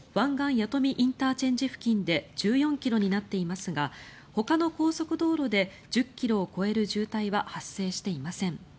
弥富ＩＣ付近で１４ｋｍになっていますがほかの高速道路で１０ｋｍを超える渋滞は発生していません。